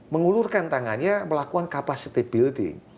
mengulurkan tangannya melakukan capacity building